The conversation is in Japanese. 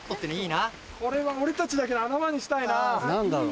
これは俺たちだけの穴場にしたいなぁ。